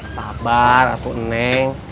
sabar atu neng